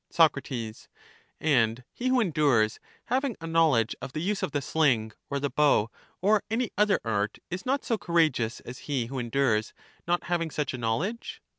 Soc, And he who endures, having a knowledge of the use of the sling, or the bow, or any other art, is not so courageous as he who endures, not having such a knowledge?